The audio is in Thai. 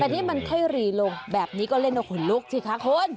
แต่นี่มันค่อยหรี่ลงแบบนี้ก็เล่นเอาขนลุกสิคะคุณ